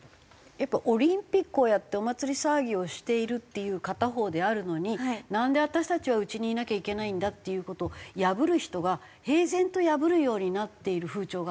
やっぱオリンピックをやってお祭り騒ぎをしているっていう片方であるのになんで私たちはうちにいなきゃいけないんだっていう事を破る人が平然と破るようになっている風潮があるわけじゃないですか。